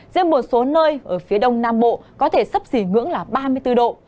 riêng một số nơi ở phía đông nam bộ có thể sấp xỉ ngưỡng là ba mươi bốn độ